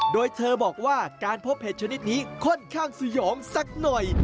โดยเธอบอกว่าการพบเห็ดชนิดนี้ค่อนข้างสยองสักหน่อย